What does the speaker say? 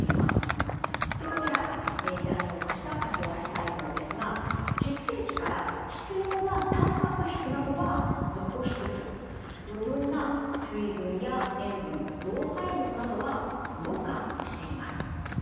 でこちらイラスト化したタコ足細胞ですが血液から必要なたんぱく質などは残しつつ余分な水分や塩分老廃物などはろ過しています。